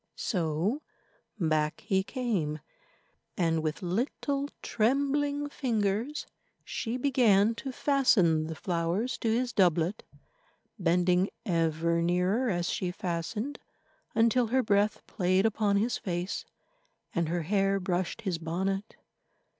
So back he came, and with little trembling fingers she began to fasten the flowers to his doublet, bending ever nearer as she fastened, until her breath played upon his face, and her hair brushed his bonnet.